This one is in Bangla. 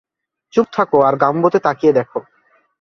চুপ থাকো আর গাম্বোতে তাকিয়ে দেখো।